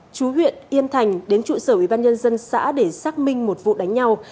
chú huyện yên thành đến trụ sở ủy ban nhân dân xã để xác minh một vụ đánh nhau